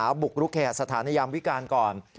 บุกรุกแห่สถานยามวิการก่อน